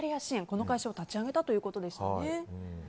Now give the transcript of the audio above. この会社を立ち上げたということでしたね。